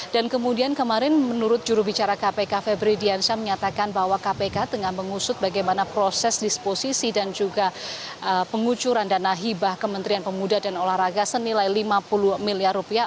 dan kemudian kemarin menurut jurubicara kpk febri diansyah menyatakan bahwa kpk tengah mengusut bagaimana proses disposisi dan juga pengucuran dana hibah kementerian pemuda dan olahraga senilai lima puluh miliar rupiah